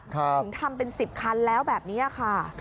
ถึงทำเป็น๑๐คันแล้วแบบนี้ค่ะ